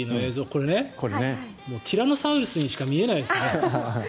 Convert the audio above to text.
これね、ティラノサウルスにしか見えないですね。